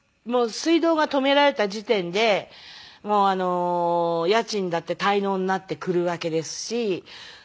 水道が止められた時点でもう家賃だって滞納になってくるわけですし。